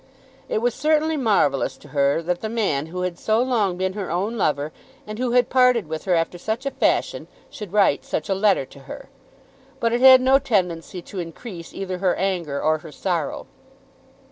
It was certainly marvellous to her that the man who had so long been her own lover and who had parted with her after such a fashion should write such a letter to her. But it had no tendency to increase either her anger or her sorrow.